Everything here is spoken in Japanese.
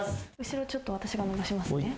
後ろちょっと私が伸ばしますね。